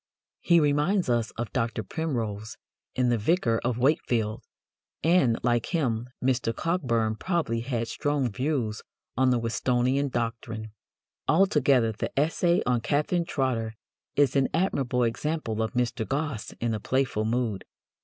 He reminds us of Dr. Primrose in The Vicar of Wakefield, and, like him, Mr. Cockburn probably had strong views on the Whistonian doctrine." Altogether the essay on Catherine Trotter is an admirable example of Mr. Gosse in a playful mood.